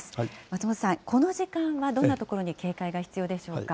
松本さん、この時間は、どんなところに警戒が必要でしょうか。